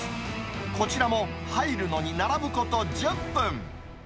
こちらも入るのに並ぶこと１０分。